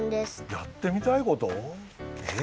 やってみたいこと？え？